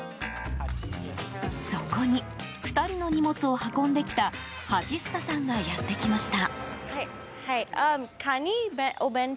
そこに２人の荷物を運んできた蜂須賀さんがやってきました。